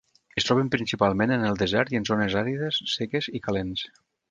Es troben principalment en el desert i en zones àrides, seques i calents.